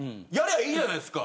いいじゃないですか！